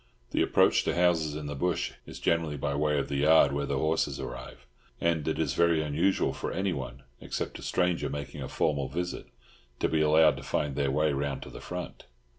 The approach to houses in the bush is generally by way of the yard where the horses arrive, and it is very unusual for anyone, except a stranger making a formal visit, to be allowed to find their way round to the front.